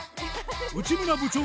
内村部長